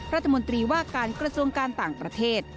รัฐมนตรีว่าการกระทรวงการต่างประเทศ